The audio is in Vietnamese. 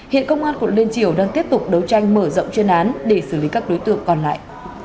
hiện công an quận liên triều đang tiếp tục đấu tranh mở rộng chuyên án để xử lý các đối tượng còn lại